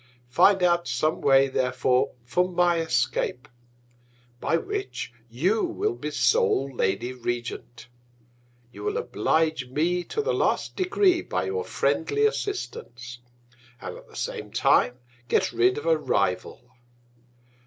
Find out some Way therefore for my Escape; by which you will be sole Lady Regent. You will oblige me to the last Degree, by your friendly Assistance, and at the same Time get rid of a Rival.